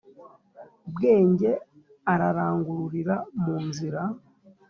bwenge arangururira mu nzira,